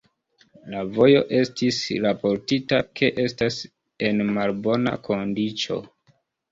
La vojo estis raportita ke estas en malbona kondiĉo.